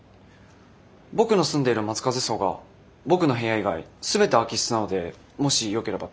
僕の住んでいる松風荘が僕の部屋以外全て空き室なのでもしよければと。